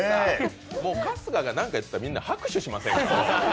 もう、春日が何か言ったらみんな拍手しませんか？